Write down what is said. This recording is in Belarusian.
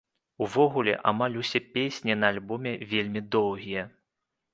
Увогуле, амаль усе песні на альбоме вельмі доўгія.